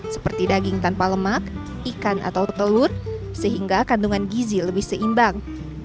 seperti daging tanpa lemak ikan atau telur sehingga kandungan gizi lebih seimbang